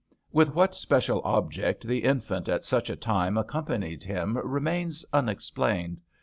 With what special object the infant at such a time accompanied him remains unexplained.